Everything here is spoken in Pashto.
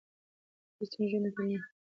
لوستې نجونې د ټولنې همغږي ټينګوي.